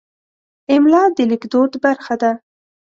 املا د لیکدود برخه ده.